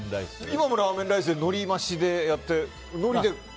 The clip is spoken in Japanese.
今もラーメンライスでのり増しでやって。